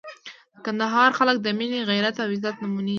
د کندهار خلک د مینې، غیرت او عزت نمونې دي.